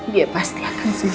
dia pasti akan senang